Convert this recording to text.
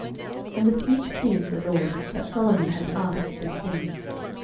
11:003:010 And the speech pleased the LORD, that Solomon had asked this thing.